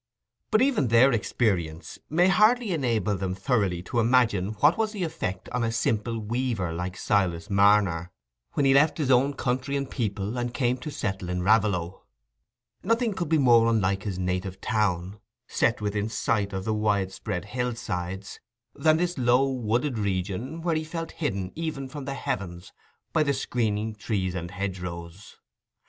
But even their experience may hardly enable them thoroughly to imagine what was the effect on a simple weaver like Silas Marner, when he left his own country and people and came to settle in Raveloe. Nothing could be more unlike his native town, set within sight of the widespread hillsides, than this low, wooded region, where he felt hidden even from the heavens by the screening trees and hedgerows.